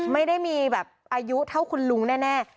ไม่ได้มีแบบอายุเท่าคุณลุงแน่